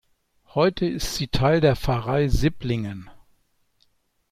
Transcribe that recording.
Heute ist sie Teil der Pfarrei Sipplingen.